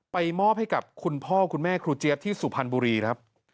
มอบให้กับคุณพ่อคุณแม่ครูเจี๊ยบที่สุพรรณบุรีครับ